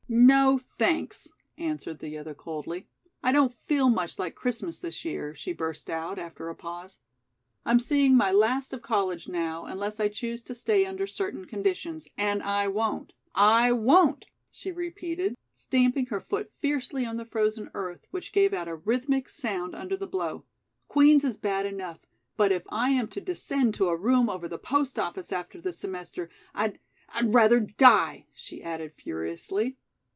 "No, thanks," answered the other coldly. "I don't feel much like Christmas this year," she burst out, after a pause. "I'm seeing my last of college now, unless I choose to stay under certain conditions and I won't I won't," she repeated, stamping her foot fiercely on the frozen earth, which gave out a rhythmic sound under the blow. "Queen's is bad enough, but if I am to descend to a room over the post office after this semester, I'd I'd rather die!" she added furiously.